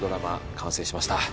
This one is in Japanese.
完成しました